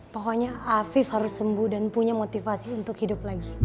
pokoknya afif harus sembuh dan punya motivasi untuk hidup lagi